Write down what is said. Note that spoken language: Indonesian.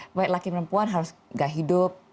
banyak laki laki perempuan harus tidak hidup